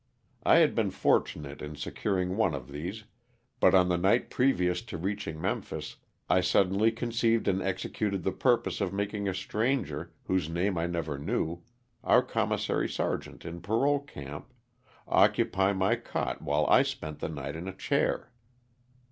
I had been fortunate in securing one of these, but on the night previous to reaching Memphis, I suddenly conceived and executed the purpose of making a stranger, whose name 1 never knew — our Commissary Sergeant in parole camp — occupy my cot while I spent the night in a chair.